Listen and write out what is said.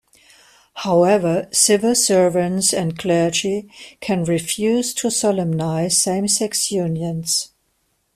However, civil servants and clergy can refuse to solemnise same-sex unions.